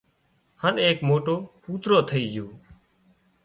هانَ ايڪ موٽو ڪُوترو ٿئي جھو